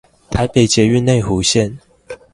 臺北捷運內湖線